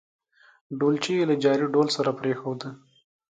ډولچي یې له جاري ډول سره پرېښوده.